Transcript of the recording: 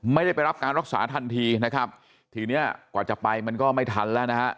ไม่ได้ไปรับการรักษาทันทีนะครับทีเนี้ยกว่าจะไปมันก็ไม่ทันแล้วนะฮะ